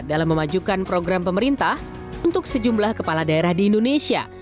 dalam memajukan program pemerintah untuk sejumlah kepala daerah di indonesia